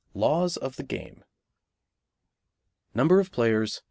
LAWS OF THE GAME. Number of Players.